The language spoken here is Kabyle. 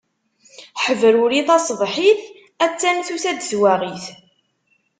Ḥebruri taṣebḥit, a-tt-an tusa-d twaɣit.